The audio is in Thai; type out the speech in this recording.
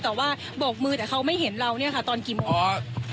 บอกว่ามือแต่เขาไม่เห็นเรานี่ก่อนตอนกี่โมง